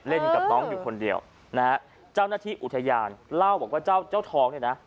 กับน้องอยู่คนเดียวนะฮะเจ้าหน้าที่อุทยานเล่าบอกว่าเจ้าเจ้าทองเนี่ยนะ